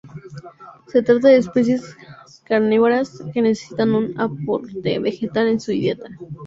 Se trata de especies carnívoras, que necesitan un aporte vegetal en su dieta.